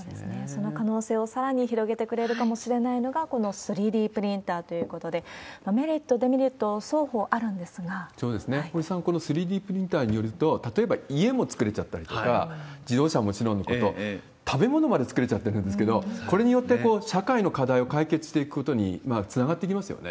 その可能性をさらに広げてくれるかもしれないのが、この３Ｄプリンターということで、メリット、デメリット、堀さん、この３Ｄプリンターによると、例えば家も作れちゃったりとか、自動車はもちろんのこと、食べ物まで作れちゃってるんですけど、これによって社会の課題を解決していくことにつながっていきます